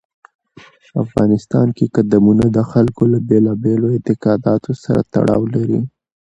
افغانستان کې قومونه د خلکو له بېلابېلو اعتقاداتو سره تړاو لري.